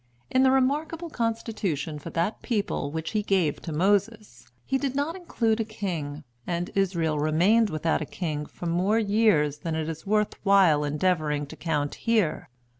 In the remarkable constitution for that people which he gave to Moses, he did not include a king, and Israel remained without a king for more years than it is worth while endeavoring to count here.